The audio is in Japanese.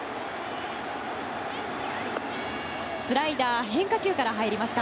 スライダー変化球から入りました。